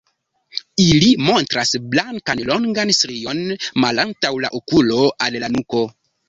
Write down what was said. Ili montras blankan longan strion malantaŭ la okulo al la nuko.